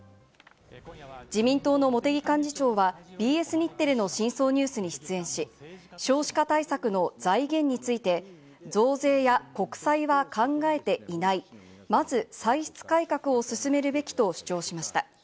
自民党の茂木幹事長はＢＳ日テレの『深層ＮＥＷＳ』に出演し、少子化対策の財源について、増税や国債は考えていない、まず歳出改革を進めるべきと主張しました。